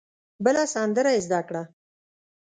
بله سندره یې زده کړه.